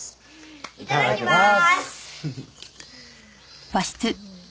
いただきます。